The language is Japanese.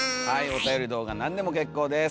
おたより動画何でも結構です。